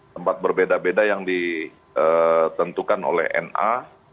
tempat berbeda beda yang ditentukan oleh n a